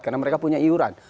karena mereka punya iuran